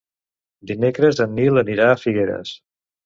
Dimecres en Nil anirà a Figueres.